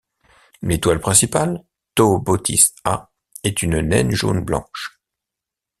L'étoile principale, Tau Bootis A est une naine jaune-blanche.